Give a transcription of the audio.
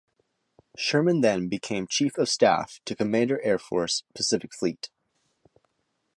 Sherman then became Chief of Staff to Commander Air Force, Pacific Fleet.